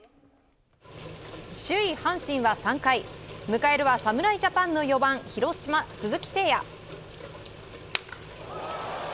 首位、阪神は３回迎えるは侍ジャパンの４番広島、鈴木誠也。